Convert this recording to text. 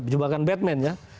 jebakan batman ya